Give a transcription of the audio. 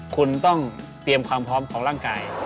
คุณต้องเตรียมความพร้อมของร่างกาย